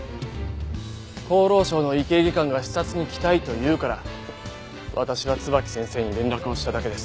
厚労省の医系技官が視察に来たいと言うから私は椿木先生に連絡をしただけです。